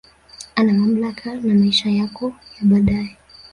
Ana mamlaka na maisha yako ya baadae